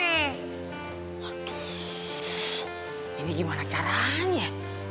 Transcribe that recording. waduh ini gimana caranya